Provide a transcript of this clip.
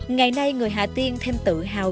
ngày nay người hà tiên thêm tự hào